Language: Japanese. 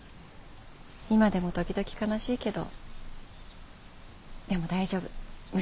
今でも時々悲しいけどでも大丈夫娘がいるから。